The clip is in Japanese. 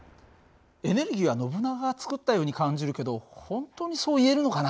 エネルギーはノブナガが作ったように感じるけど本当にそう言えるのかな？